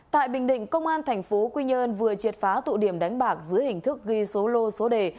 tại bình định công an thành phố quy nhơn vừa triệt phá tụ điểm đánh bạc dưới hình thức ghi số lô số đề